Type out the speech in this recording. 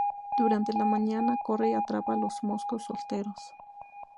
Durante la mañana, corre y atrapa a los mozos solteros.